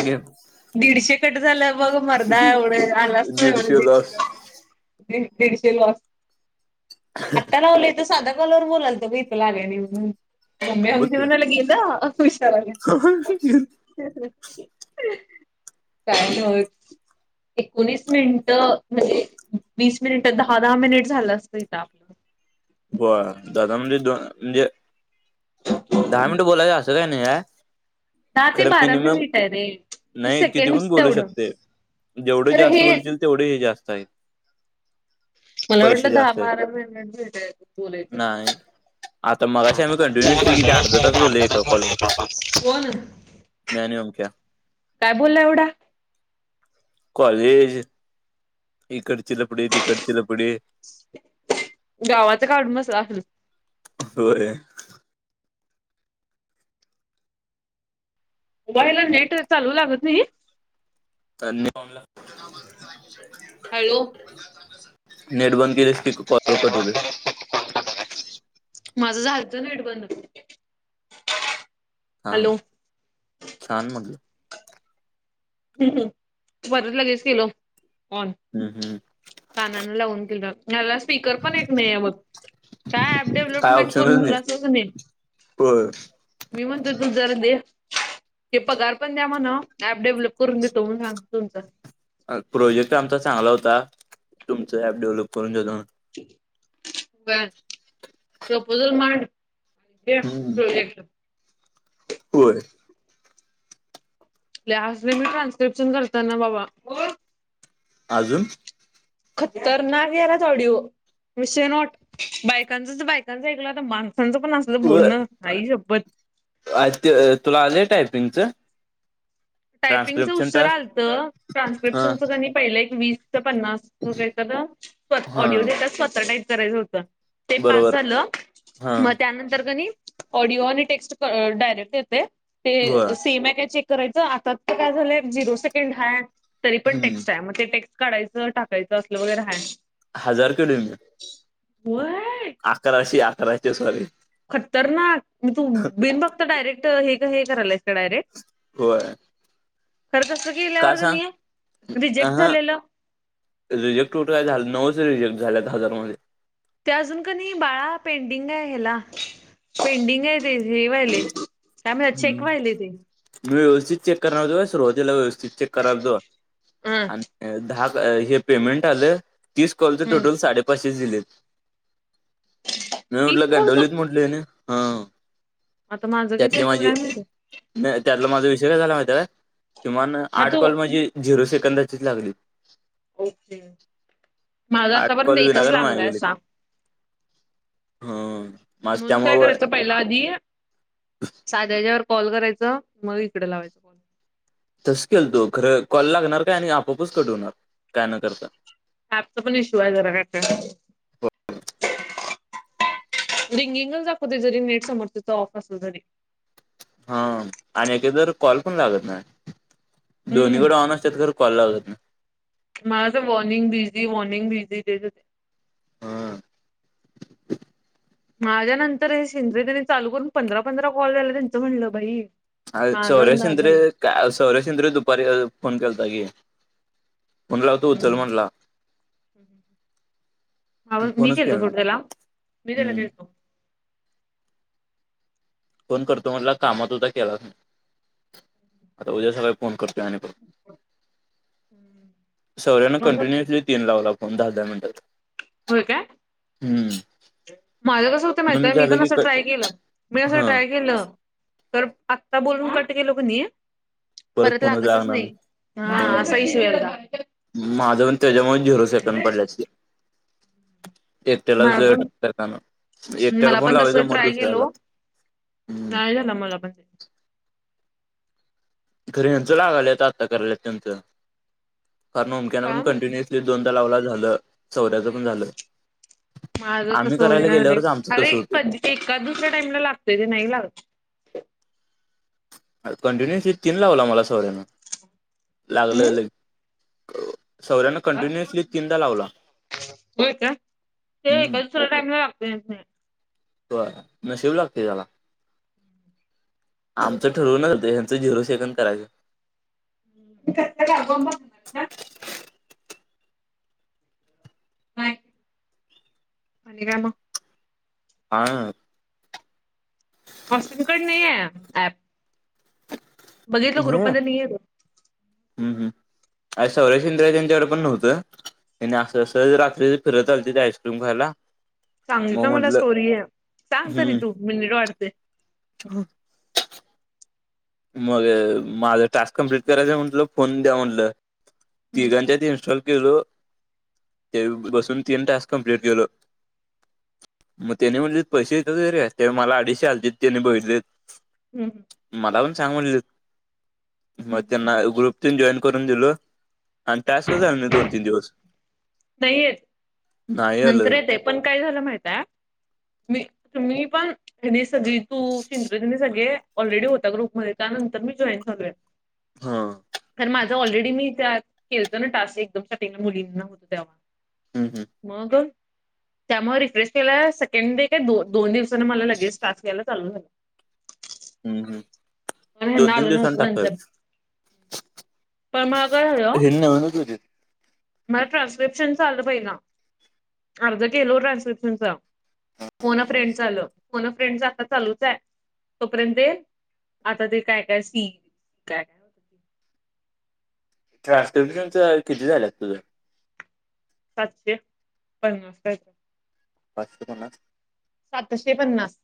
अगे दीडशे कट झालं बघ मरदा एवढं आलासतो एवढ दीडशे दीडशे तास रप दीडशे लस ह स साधा कॉलवर बोलालत ब इथ लागय नाही म्हणून मम् बघ आमची की. म्हणाला गेलं खुश काही एकोणीस मिनिट म्हणजे वीस मिनिट दहा दहा मिनिट झालं असतं इथं आपलं हो दादा म्हणजे दोन म्हणजे ह दहा मिनट बोलायं असं काय नाही या दहा ते खरं बारा मिनिमम मिनिट आहे रे नाही किती पण सेकंडस बोलू तेवढं शकते जेवढे तर जास्त हे बोलतील तेवढे हे जास्त आहे मला वाटलं दहा बारा मिनट भेटायच बोलायचं नाही आता मगाशी ह आम्ही कंटिन्युअसली किती अर्धा तास बोललो एका कॉलवर बोल मी आणि ओमक्या काय बोलला एवढा कॉलेज इकडची ल पुढ तिकडचे ल पुढ गावात काढून मस हो मोबाईला नेट चालू लागत नाही न्यनला [unintelligible] हॅलो नेट बंद केलेस की कॉल कट होतोय माझं झाल नेट बंद हां हॅलो छान मग बरच लगेच केेलो ऑन हम् हम् कानाला लावून दिला मला स्पीकर पण एक नाही मग काय ऍप डेव्हलपमेंट करून तुला असंच नाही बर मी म्हणतो तू जरा दे ते पगार पण द्या म्हणा ऍप डेव्हलप करून देतो म सांग तुमचा प्रोजेक्ट आमचा चांगला होता तुमचं ऍप डेव्हलप करून बर प्रपोझल मांड हम्म. प्रोजेक्ट होय लस्टने मी ट्रान्स्क्रिप्शन करत ना बाबा अजून खतरनाक यालात ऑडिओ विषय नॉट बायकांच तर बायकांच ऐकलं आता माणसांचं पण असलं होय बोलणं आई शप्पथ ते तुला आलेय टायपिंगचं टायपिंगचं ट्रान्स्क्रिप्शन उच्चार टास्क? आलतं हा ट्रान्स्क्रिप्शनचं की नाही पहिलं एक वीस ते पन्नास हो काय ना स्व हा ऑडिओ देताात स्वतः टाईप करायचं होतं ते पास बरोबर झालं हा मग त्यानंतर कनि ऑडिओ आणि टेक्स्ट डायरेक्ट येत होय. ते सेम आहे काय चेक करायचं काय झालंय झिरो सेकंड हा तरी पण हम्म. टेक्स्ट आहे ते टेक्स काढयचं टाकायचं असलं वगैरे आहे. हजार कडे म होय अकराशे अकराशे सॉरी खतर ना म तू बिन फक्त डायरेक्ट हे हे करायलाच का डायरेक्ट होय खर कस का केल्यावर सांग? नाही आहे अ रिजेक्ट हा झालेलं रिजेक्ट होय झाले नऊच रिजेक्ट झाले दहा हजार मध्ये ते अजून का नाही बाळा पेंडिंग आहे ह्याला पेंडिंग आहे ते हे व्हायले काय चेक हम्म. वाहिली ते मी व्यवस्थित चेक करतो सुरुवातला व्यवस्थित चेक करतो ह दहा हे पेमेंट आलं तीस कॉलचं हम् टोटल साडेपाचशेच दिलेत मी तीस म्हटलं कोणच गांडवलीत म्हटलं आहे ना हा आता माझं किती त्यातली असंल माझी काय माहिती नाही त्यातला माझा विषय नाही झाला माहिते का किमान हा आठ तो कॉल म्हणजे झिरो सेकंदाचीच लागली ओके माझ आठ आतापर्यंत कॉल एकच विनाकारण वाया लागलंय अस ह माझ म्हणून काय त्यामुळे करायचं पहिला आधी साध्या ह्याच्यावर कॉल करायच मग इकडे लावायचं कॉल तस केल तो खर कॉल लागणार काय आणि आपआपच कट होणार काय न करता काचा पण इश्यू आहे जरा काचा [inaudible] रिंगिंगच दाखवते जरी नेट समोर त्याच ऑफ असेल तरी हा आणि एकेदर कॉल पण लागत ना हम्म दोन्हीकडे ऑन असतात खर कॉल लावतात ना माझ तर वॉर्निंग बिझी वॉर्निंग बिझी तेेच येते हा माझ्या नंतर हे शिंदे त्यांनी चालू करून पंधरा पंधरा कॉल झाला त्यांचं म्हणलं बाई माझा सौरय ना झाला सिंद्रीय का सौरय संद्री दुपारी फोन केलता गी म्हणला हो तो उचल म्हणला हम् हम ह ह आणि मी फोनच खेळतो केला नाही. छोटं त्याला मी त्याला हं खेळतो फोन करतो म्हटलं कामात उद्या केलाच नाही आता उद्या सकाळी फोन करतोय आणि बघ सौर्यान कंटिन्युअसली तीन लावला फोन दहा दहा मिनिटात होय काय हम्म माझं कसं होतं माहित म्हणून आहे मी झालं पण की असं क- ट्राय केलं मी असं हा ट्राय केलं तर आत्ता बोलून कट गेलो कणी परत कोन जाणार अ हा असा इशू यायला माझं पण त्याच्यामुळे झिरो सेकंड पडल्या एअरटेलच मला पण एरटेल मला पण तस लावायचं मग दुसऱ्याला हम् य झा ना मला म्हणजे घरी यांचं लागायला आता करायला त्यांचं कारण ओमक्या पण काय माहित. कंटिन्य दोनदा लावला झालं सौऱ्याचं पण झालं माझं तर आम्ही करायला सोयणार गेल्यावरच आमचं अरे तसं होतंय एका दुसऱ्या टाइम लागतोय ते नाही लागत कंटिन्युअसली तीन लावला मला सोळ्यानं लागलं ल हम्म सौऱ्यान कंटिन्युअसली तीनदा लावला होय का ते हम्म का दुसरा टामला लागतो हो न शिवू लागते त्याला आमचं ठरवून चं ह्याच झिरो सेकंड करायचं का ब नाहीय पाणी का म [unintelligible] हा पशचिमकड नाही आहे ऍप [unintelligible] बघितलं ग्रुपमध्ये येतो हम् हम् अ सौरश इंद्रिया त्यांच्याकडे पण नव्हतं [unintelligible] नाही नाही असं अस रात्री फिरत आलते ते आईस्क्रीम खायला मग सांगितलं मला म्हटलं स्टोरी आहे सांग तरी तू मिनिट वाटते हा मग माझं टास्क कंप्लीट करायच म्हटलं फोन द्या म्हटलं तिघांच्या त इन्स्टॉल गे बसून तीन टास्क कंप्लीट केलो मग त्याने म्हटले पैसे येतात वगरे मला अडीचशे हलते त्याने बघितले हम् हं मला पण सांग म्हट मग त्यांना ग्रुप जॉईन करून दिल आणि टास्क झालं दोन तीन दिवस नाही येत नाही नंतर आलं येत पण काय झालं माहित आहे मी मी पण आणिनी सगळी तू सिनी सगळे ऑलरेडी होता ग्रुप मध्ये त्यानंतर मी जॉईन झालोय हा हम्म तर माझा ऑलरेडी मी त्या खेळतो ना टास् एकदम सा मुलींनात हम्म मगर त्यामुळे रिक्वेस्ट केला सेकंड डे काय दो दोन दिवसाांना मला लगेच स्टट या्यायला ल झालं हम् हम् नाल नवत नंतर पण मला काय हो आणत होती ू मला ट्रान्स्क्रिप्शन चा आलं पहिला अर्ज केल ट्रान्सक्रिप्शनचा कोन फ्रेंड आलं फोन फ्रेंड आता चालूच आहे तोपर्यंत आता ते काय काय सी काय काय होतं ते ट्रानस्क्रीप्शन च किती झालं तुझं सातशे पन्नास का वाच त ना सातशे पन्नास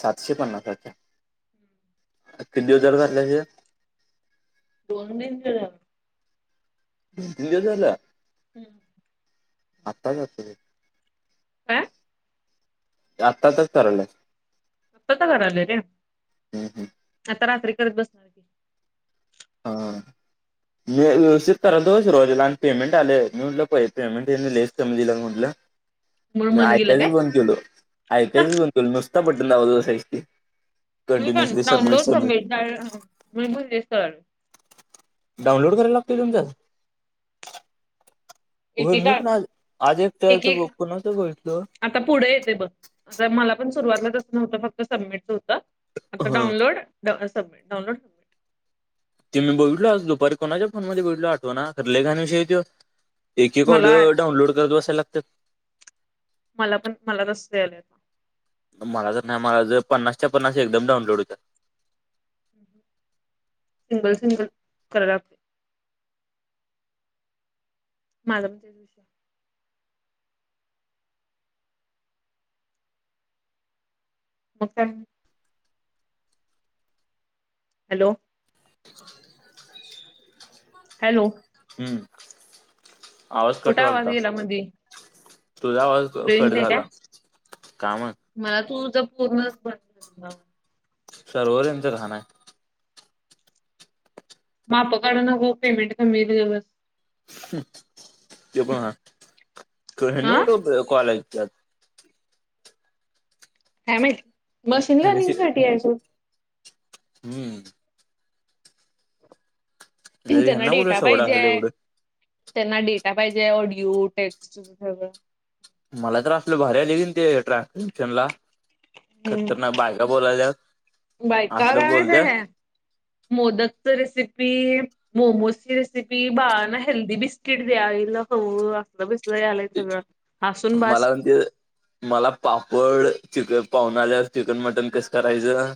सातशे पन्नासे किती हजार झाल्याचे दोन दिन केलं त झाला हम्म आताच अस आं आत्ताचच करायला. आता च कराआले रे हम्म हम्म. आता रात्री करत बसणारे. हो. [unintelligible] मी व्यथितरा दो रोज लहान पेमेंट आले मी म्हटलं प पेमेंट ये लेस दिलं म्हटलं. [unintelligible] म्हणून मी मन गेलं ऐकायच काय? बंद केलो, ऐकायच बंद केल नुसता बटन लावून बसायच, म का डाउनलोड सबमिट म्होलले सर. डाउनलोड करायला लागतय तुमचात. हो मी एकेका पण आज आज एक एकटच, एक कोणाच बोलितो. आता पुढे येते बघ, मला पण सुरुवातलातसं नव्हतं, फक्त सबमिटच होतं. आता हा डाउनलोड सबमिट, डानलोड ते मी बोघीतलो आज दुपारी, कोणाच्या फोन मध्ये बघितलं आठवा ना, लय घाण विषये तो. एक मला ऑडिओ डाउनलोड करतो बसाय लागात. मला पण, मला कस द्यायलायेत आता. मला तर नाही, मला ज पन्नासच्या पन्स एकमडऊनलोड होतात. सिंगल सिंगल कराला लागते. माझा म्हणजे. मग काय? हॅलो. [unintelligible] हॅलो. हम्म, आवाज कट कुठं वालता. गेला मधी? तुझा आवाज रेंज कट नाही काय? झाला, कायमत. मला तूझ पूर्णच बंद सरोवर यांच घाहणे. माप काढून नको, पेमेंट कमीे देतील गबस. ते पण हाय, हा कूठ कॉलेज जात. काय माहिती, मशीन ह्यांनी लर्निंग ते साठी आहेजो. हम्म. त्यांना ह्यांना कुठं डेटा सवड असेल पाहिजेय. एवढं. त्यांना डेटा पाहिजे, ऑडिओ टेक्स्ट सगळं. मला तर आपलं भारी आले की ते ट्रॅशन ला. हम्म. खतरनाक बायका बोलायल्या, बायका असल काय माहित बोलत्यात. आहे मोदकच रेसिपी, मोमोजची रेसिपी, बाळा ना हेल्दी बिस्किट द्यायला होव. बसलाय सगळं हसून बास. मला पण ते मला पापड, चिकन पाहुणा आल्या्या चिकन मटन कसं करायचं,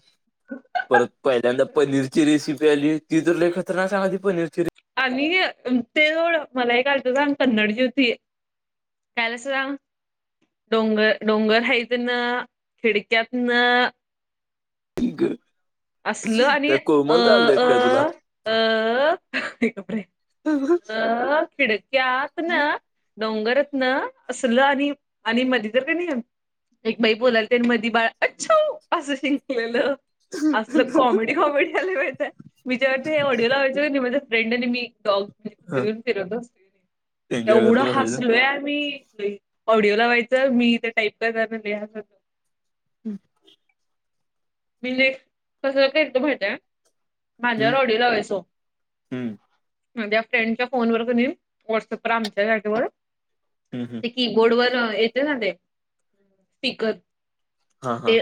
परत पहिल्यांदा पनीरची रेसिपी आली, ती त लई खतरनाक सांगाल ती पनीरची आणि ते जवळ मला एक कयचं साग कन्नड होती. त्याला सुधा [unintelligible] डोंगर डोंगर हायतन, खिडक्यातन, रे असलं, आणि काय अ कोमल चालतय काय तुला अ अ. ह खिडक त्यात ना डोंगरत ना, असलं आणि, आणि मध्ये तर कनी. एक बाई बोलालत आनी मी बाळ अच्छाव असं शिंकलेलं. असलं कॉमेडी कॉमेडी आल्या माहियतेय, मी जेव्हा ते ऑडिओ लावायचं निवडल फ्रेंड आणि मी डॉग एन्जॉय करत ऐवढं बसायचं हसलोय आमी. ऑडिओ लाव्हायचं, मी ते टाईप करणार लिहाच. हम्म. म्हणजे कस का त माहितय, माझ्यावर हम्म ऑडि लावायचो. हम्म फ्रेंडच्या फोन वर कनी व्हॉटसअप वर आमच्या याच्यावर हम्म हम्म ते की बोर्ड वर येते ना ते स्पीकर हा हा ते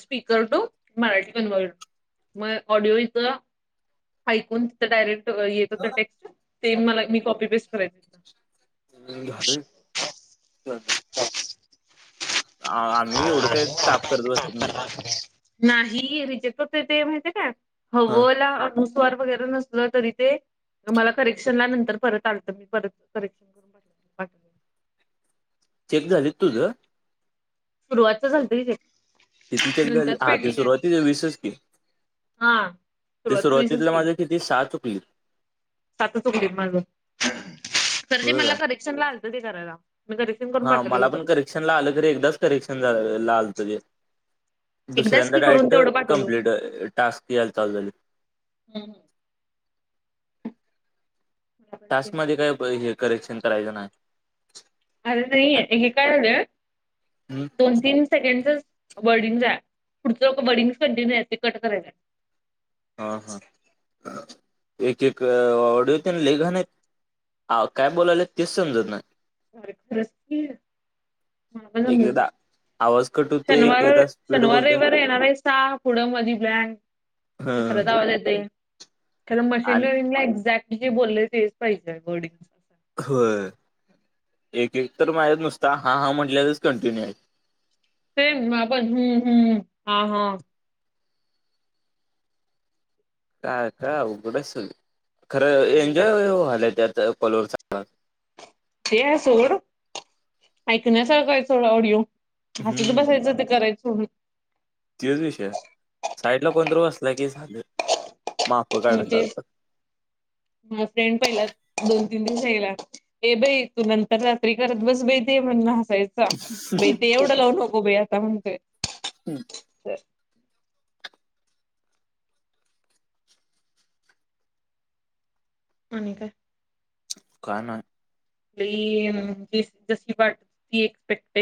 स्पीकर टू मराठी कन्वर्ट मग ऑडिओ इथं ऐकून तिथं डायरेक्ट येत होत झालं टेक्स्ट ते मला मी कॉपी बेस्ट करायच हम् झालं झा ह आम्ही एवढं काही ताप करत बसत नाही नाही रितेेत तेथ माहिती का हा हवंला वरे न तरी मला करेक्शन नंतर परत आत मी कर चेक झाली तुझं सुरुवातच झालतरी ते ते तिक झाली नंतरच हा ते पेंडिंग आहे सुरुवातीच विशष की हा ते सुरुवात वीसच सुरुवातीतलं की माझं िती सातुकली सातच उकलीत माझं तर ते हो मला का करेक्शन ला आलतं ते करायला मी करेक्शन करून हा पाठवलेलं मला पण परत करेक्शन ला आलं तरी एकदाच करेक्शन झा स एकदाच दुसऱ्यांदा की करून डारेक्ट तेवढं पाठवलो. कं्प्लीट टास्क याला चाल ह ह तासमध्येध्ये काय हे करेक्शन करायचं नाही अर नाही हे काय झालं हम्म? दोन तीन सेकंडच वर्डिंग आहे पुढं वर्डिंग कंटिन्यू आहे कट करायं हा हा एक एक ऑडिओ ते लेघन ह काय बोलायलं तेच समजत नाही अस् माम एक ना एकदा आवाज कटू शनिवार शनिवार रवार येणार आहे सहा पुढं मधी बलँग ह तसर का आवालाेते खर आणि मशीनवरला एक्झॅक्ट जे बोललेय तेच पाहिजे बोर्डिंग हो एक एक तर माझ्यात नुसता हा हा म्हटल्यावरच कंटिन्यू आहे ते आपण हम्मम्मम हा हा काय का उघडं खरं एन्जॉयल त्यात कलोर ते आहे सोड ऐकण्यासारखंय सोड ऑडिओ हस तर हम्म बसायचं ते करायचं म्हून तच विषय साईडला पणत्र वासला की झाले म ते माझ फ्रेंड पहिलात दोन तीन दिवस याला ए बाई तू नंतर रात्री करत बस ब ते म्हणून हायच ते एवढं लावू नको बाई आता म्हणतेोय हम् आणिने काय काण ज जशी वाटती एक्सपेक्ट